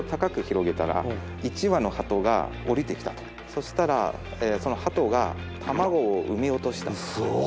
そしたらそのハトが卵を産み落とした。